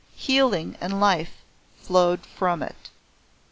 Healing and life flowed from it.